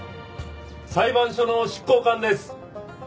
裁判所の執行官です！